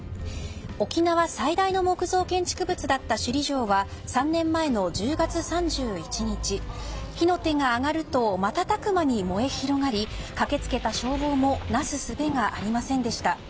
沖縄最大の木造建築物だった首里城は３年前の１０月３１日火の手が上がると瞬く間に燃え広がり駆けつけた消防もなすすべがありませんでした。